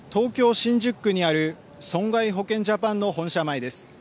新宿区にある損害保険ジャパンの本社前です。